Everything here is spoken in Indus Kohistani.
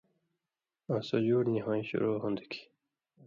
آں سو جُوڑ نی ہویں شُروع ہُوݩدوۡ کھیں